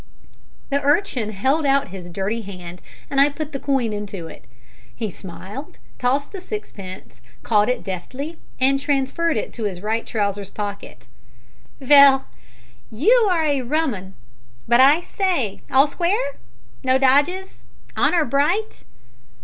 The urchin held out his dirty hand, and I put the coin into it. He smiled, tossed the sixpence, caught it deftly, and transferred it to his right trousers pocket. "Vell, you are a rum 'un. But I say, all square? No dodges? Honour bright?"